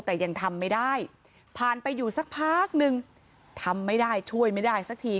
แต่ยังทำไม่ได้ผ่านไปอยู่สักพักนึงทำไม่ได้ช่วยไม่ได้สักที